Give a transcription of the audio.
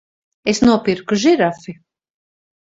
Es nopirku žirafi!